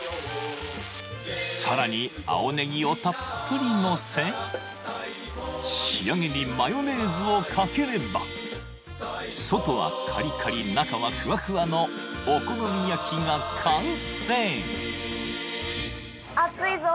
さらに青ネギをたっぷりのせ仕上げにマヨネーズをかければ外はカリカリ中はふわふわのお好み焼きが完成熱いぞ